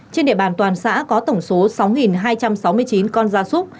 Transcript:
trên địa bàn toàn xã có tổng số sáu hai trăm sáu mươi chín con gia súc